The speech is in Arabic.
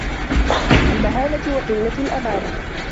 الْمَهَانَةُ وَقِلَّةُ الْأَمَانَةِ